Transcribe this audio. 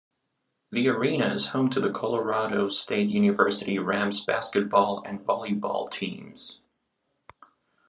The arena is home to the Colorado State University Rams basketball and volleyball teams.